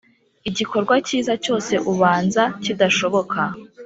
igikorwa cyiza cyose ubanza kidashoboka.